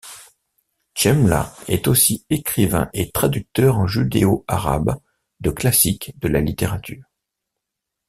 Chemla est aussi écrivain et traducteur en judéo-arabe de classiques de la littérature.